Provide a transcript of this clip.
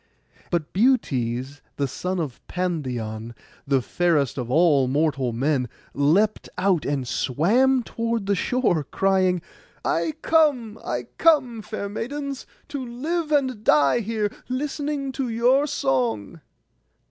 And Butes, the son of Pandion, the fairest of all mortal men, leapt out and swam toward the shore, crying, 'I come, I come, fair maidens, to live and die here, listening to your song.